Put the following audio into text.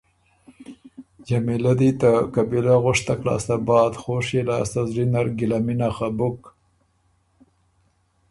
جمیلۀ دی ته قبیلۀ غؤشتک لاسته بعد خوشيې لاسته زلی نر ګِلمُنه خه بُک